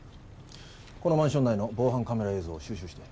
このマンション内の防犯カメラ映像を収集して。